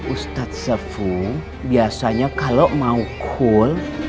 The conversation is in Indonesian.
ustadz sefu biasanya kalau mau cool